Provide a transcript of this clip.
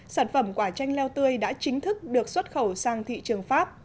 sản phẩm quả chanh leo tươi đã chính thức được xuất khẩu sang thị trường pháp